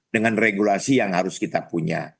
dengan regulasi yang harus kita punya